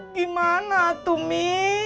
gimana tuh mi